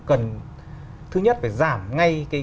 cần thứ nhất phải giảm ngay